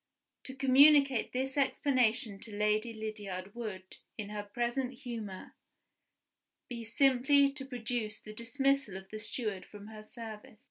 To communicate this explanation to Lady Lydiard would, in her present humor, be simply to produce the dismissal of the steward from her service.